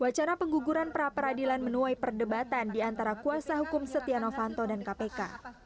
wacana pengguguran pra peradilan menuai perdebatan di antara kuasa hukum setia novanto dan kpk